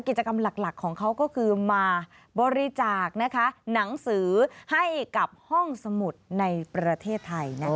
กิจกรรมหลักของเขาก็คือมาบริจาคหนังสือให้กับห้องสมุดในประเทศไทย